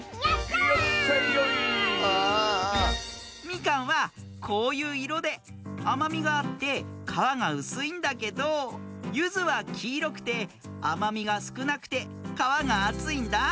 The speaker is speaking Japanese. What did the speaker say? みかんはこういういろであまみがあってかわがうすいんだけどゆずはきいろくてあまみがすくなくてかわがあついんだ。